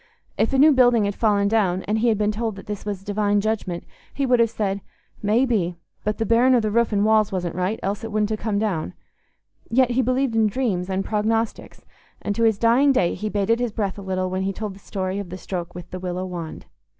If a new building had fallen down and he had been told that this was a divine judgment, he would have said, "May be; but the bearing o' the roof and walls wasn't right, else it wouldn't ha' come down"; yet he believed in dreams and prognostics, and to his dying day he bated his breath a little when he told the story of the stroke with the willow wand.